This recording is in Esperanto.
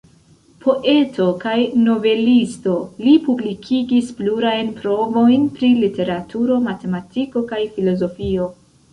Poeto kaj novelisto, li publikigis plurajn provojn pri literaturo, matematiko kaj filozofio.